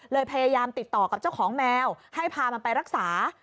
พยายามติดต่อกับเจ้าของแมวให้พามันไปรักษา